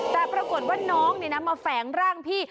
แต่ปรากฏว่าน้องมาแฝงร่างพี่